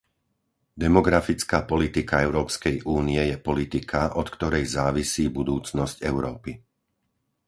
Demografická politika Európskej únie je politika, od ktorej závisí budúcnosť Európy.